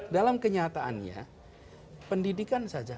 dalam kenyataannya pendidikan saja